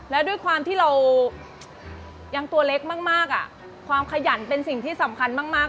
แล้วด้วยความที่เรายังตัวเล็กมากความขยันเป็นสิ่งที่สำคัญมาก